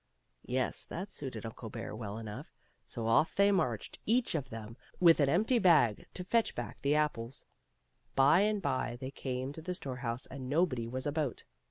Yes, that suited Uncle Bear well enough ; so off they marched, each of them with an empty bag to fetch back the apples. By and by they came to the storehouse, and nobody was about.